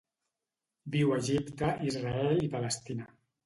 Viu a Egipte, Israel i Palestina.